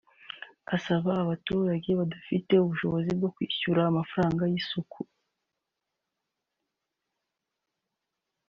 Asaba abaturage badafite ubushobozi bwo kwishyura amafaranga y’isuku